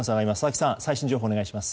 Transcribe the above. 最新情報お願いします。